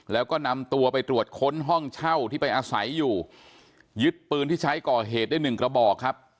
แล้วก็นำตัวไปตรวจค้นห้องเช่าที่ไปอาศัยอยู่ยึดปืนที่ใช้ก่อเหตุได้หนึ่งกระบอกครับ